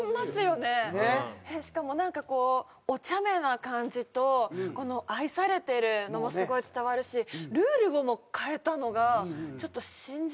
しかもなんかこうおちゃめな感じとこの愛されてるのもすごい伝わるしルールをも変えたのがちょっと信じられないです。